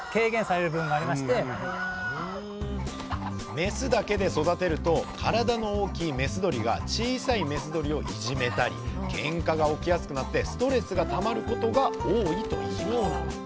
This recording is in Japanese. メスだけで育てると体の大きいメス鶏が小さいメス鶏をいじめたりケンカが起きやすくなってストレスがたまることが多いといいます。